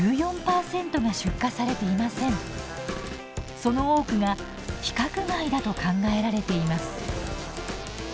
その多くが規格外だと考えられています。